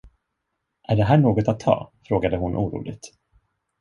Är det här något att ta, frågade hon oroligt.